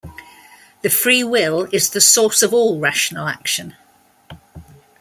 The free will is the source of all rational action.